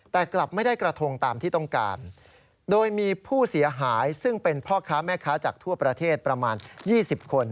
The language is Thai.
แต่กลับไม่ได้กระทงตามที่ต้องการโดยมีผู้เสียหายซึ่งเป็นพ่อค้าแม่ค้าจากทั่วประเทศประมาณ๒๐คน